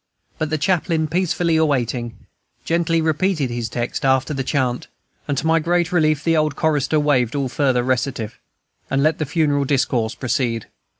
But the chaplain, peacefully awaiting, gently repeated his text after the chant, and to my great relief the old chorister waived all further recitative, and let the funeral discourse proceed.